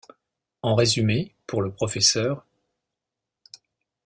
En résumé, pour le Pr.